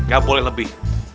gak boleh lebih